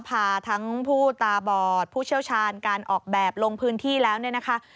พาทั้งผู้ตาบอดผู้เชี่ยวชาญการออกแบบลงพื้นที่แล้วเนี่ยนะคะ